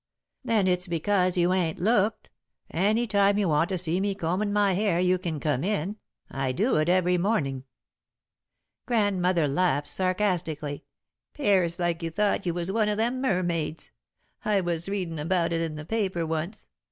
"Then it's because you ain't looked. Any time you want to see me combin' my hair you can come in. I do it every morning." [Sidenote: Fluffy Hair] Grandmother laughed, sarcastically. "'Pears like you thought you was one of them mermaids I was readin' about in the paper once.